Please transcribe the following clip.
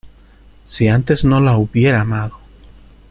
Si antes no la hubiera amado.